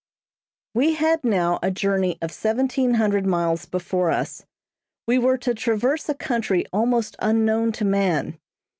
We had now a journey of seventeen hundred miles before us. We were to traverse a country almost unknown to man.